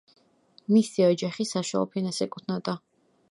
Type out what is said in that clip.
მისი ოჯახი საშუალო ფენას ეკუთვნოდა.